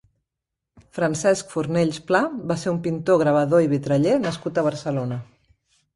Francesc Fornells-Pla va ser un pintor, gravador i vitraller nascut a Barcelona.